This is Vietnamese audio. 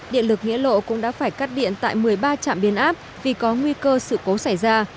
điện lực nghĩa lộ cũng đã phải cắt điện tại một mươi ba trạm biến áp vì có nguy cơ sự cố xảy ra